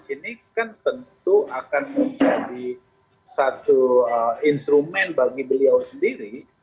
ini kan tentu akan menjadi satu instrumen bagi beliau sendiri